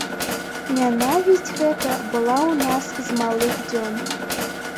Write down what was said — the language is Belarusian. Нянавісць гэта была ў нас з малых дзён.